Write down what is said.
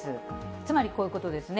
つまり、こういうことですね。